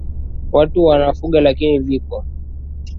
watu wanafuga lakini viko